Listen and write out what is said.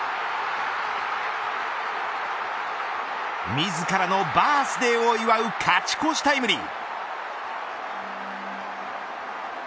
自らのバースデーを祝う勝ち越しタイムリー。